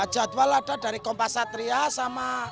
jadwal ada dari kompasatria